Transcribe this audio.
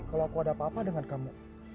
kalau aku ada apa apa dengan kamu